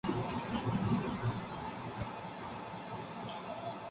Todo está fríamente calculado, ya que alguien necesita que Elmer desaparezca.